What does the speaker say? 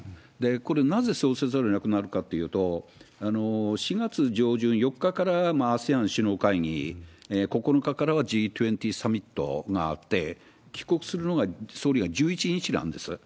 これ、なぜそうざるをえなくなるかというと、４月上旬、４日からＡＳＥＡＮ首脳会議、９日からはＧ２０サミットがあって、帰国するのが、総理が１１日なんです。